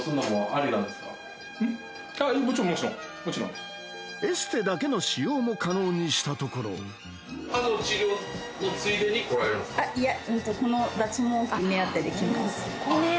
ああエステだけの使用も可能にしたところあいや